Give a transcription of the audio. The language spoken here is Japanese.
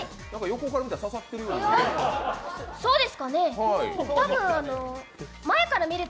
横から見たら刺さっているように見える。